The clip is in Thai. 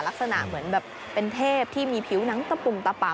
ลักษณะแบบเป็นเทพที่มีผิวนั้นตำกลุ่มตำปับ